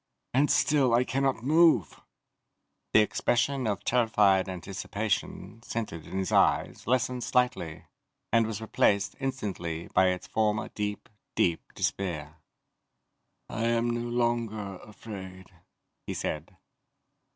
And still I cannot move!" The expression of terrified anticipation, centered in his eyes, lessened slightly, and was replaced, instantly, by its former deep, deep despair. "I am no longer afraid," he said.